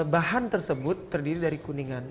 bahan tersebut terdiri dari kuningan